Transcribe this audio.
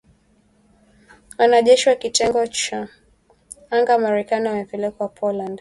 Wanajeshi wa kitengo cha anga Marekani wamepelekwa Poland